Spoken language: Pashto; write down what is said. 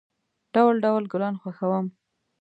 ډول، ډول گلان خوښوم.